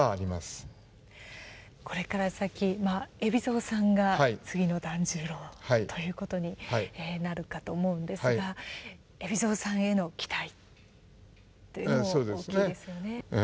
これから先海老蔵さんが次の團十郎ということになるかと思うんですが海老蔵さんへの期待っていうのも大きいですよね。